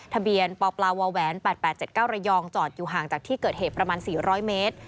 ทะเบียนปปว๘๘๗๙ระยองจอดอยู่ห่างจากที่เกิดเหตุประมาณ๔๐๐เมตร